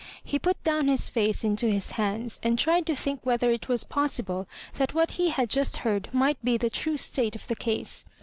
He put down his face into his hands, and tried to think whether it was possible that what he had just heard might be the true state of the case.